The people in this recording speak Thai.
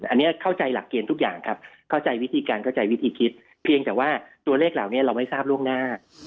อันนี้เข้าใจหลักเกณฑ์ทุกอย่างครับเข้าใจวิธีการเข้าใจวิธีคิดเพียงแต่ว่าตัวเลขเหล่านี้เราไม่ทราบล่วงหน้า